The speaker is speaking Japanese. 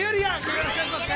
よろしくお願いします。